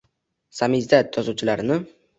“Samizdat” yozuvchilarini;